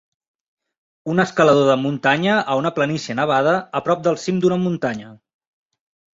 Un escalador de muntanya a una planícia nevada a prop del cim d'una muntanya.